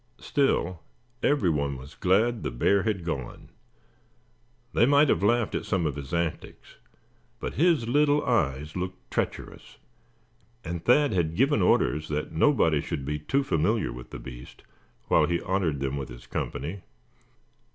Still, every one was glad the bear had gone. They might have laughed at some of his antics; but his little eyes looked treacherous; and Thad had given orders that nobody should be too familiar with the beast while he honored them with his company.